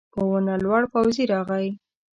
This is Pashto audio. په ونه لوړ پوځي راغی.